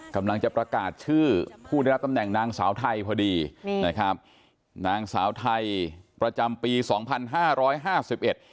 กำลังจะประกาศชื่อผู้ได้รับตำแหน่งนางสาวไทยพอดีนี่นะครับนางสาวไทยประจำปีสองพันห้าร้อยห้าสิบเอ็ด